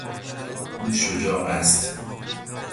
او شجاع است.